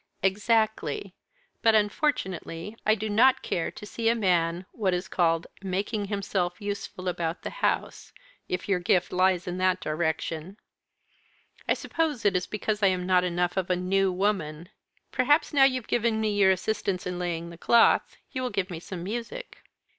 "Exactly. But, unfortunately, I do not care to see a man, what is called, 'making himself useful about the house' if your gift lies in that direction. I suppose it is because I am not enough of a New Woman. Perhaps now you've given me your assistance in laying the cloth, you will give me some music."